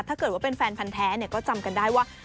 ถ้าเกิดว่าเป็นแฟนพันธ์แท้ก็จำกันได้ว่า